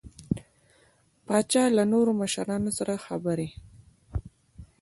پاچا له نورو مشرانو سره خبرې